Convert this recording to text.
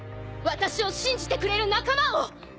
私を信じてくれる仲間を！